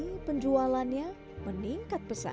tapi penjualannya meningkat besar